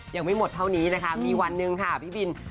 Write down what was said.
ยังไม่หมดเท่านี้นะคะมีวันหนึ่งค่ะพี่บิน